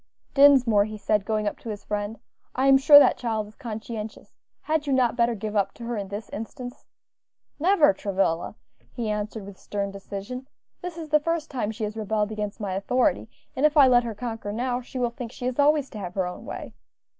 "Dinsmore," he said, going up to his friend; "I am sure that child is conscientious; had you not better give up to her in this instance?" "Never, Travilla," he answered, with stern decision. "This is the first time she has rebelled against my authority, and if I let her conquer now, she will think she is always to have her own way.